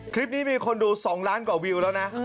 คลิปนี้มีคนดู๒ล้ารบวิวกว่าแล้วนะ